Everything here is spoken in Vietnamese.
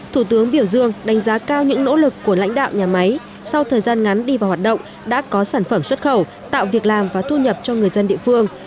thủ tướng biểu dương đánh giá cao những nỗ lực của lãnh đạo nhà máy sau thời gian ngắn đi vào hoạt động đã có sản phẩm xuất khẩu tạo việc làm và thu nhập cho người dân địa phương